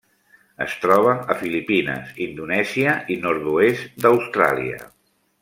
Es troba a Filipines, Indonèsia i nord-oest d'Austràlia.